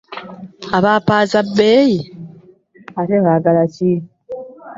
Abapaaza ebbeeyi ate baagala ki?